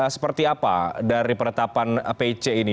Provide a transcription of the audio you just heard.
seperti apa dari penetapan pc ini